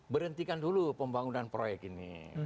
berhentikan dulu pembangunan proyek ini